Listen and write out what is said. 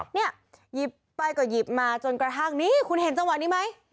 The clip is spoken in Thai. หยิบไปก็หยิบมาจนกระทั่งนี้คุณเห็นจังหวะนี้ไหม